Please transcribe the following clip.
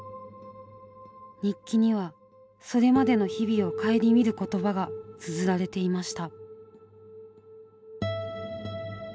日記にはそれまでの日々を省みる言葉がつづられていました。